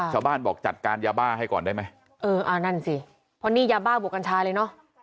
ชาวบ้านบอกจัดการยาบ้าให้ก่อนได้ไหมเอออ่านั่นสิเพราะนี่ยาบ้าบวกกัญชาเลยเนอะ